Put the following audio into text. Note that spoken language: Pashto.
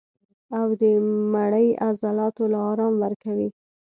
او د مرۍ عضلاتو له ارام ورکوي